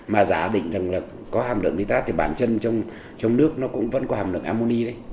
mà giả định rằng là có hàm lượng nitrat thì bản chân trong nước nó cũng vẫn có hàm lượng ammoni đấy